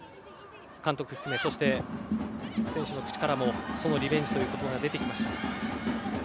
監督含め選手の口からもリベンジという言葉が出てきました。